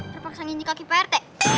terpaksa nginci kaki prt